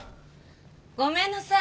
ごめんなさい。